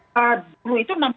sebelum itu enam puluh sembilan